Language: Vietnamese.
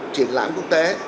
triển lãm quốc tế